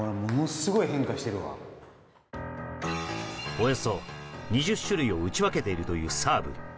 およそ２０種類を打ち分けているというサーブ。